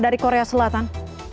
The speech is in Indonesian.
dari korea selatan